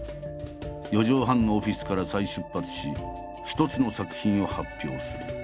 ４畳半のオフィスから再出発し一つの作品を発表する。